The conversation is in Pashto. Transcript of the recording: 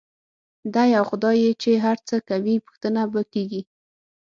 دی او خدای یې چې هر څه کوي، پوښتنه به کېږي.